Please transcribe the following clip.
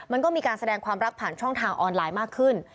มันก็มีการแสดงความรักผ่านช่องทางออนไลน์มากขึ้น